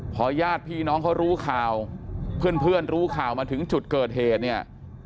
พอญาติพี่น้องเขารู้ข่าวเพื่อนรู้ข่าวมาถึงจุดเกิดเหตุเนี่ย